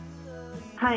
はい。